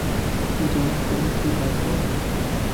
জন, তুমি ঠিক আছো?